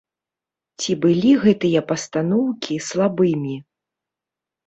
Ці былі гэтыя пастаноўкі слабымі?